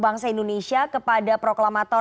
bangsa indonesia kepada proklamator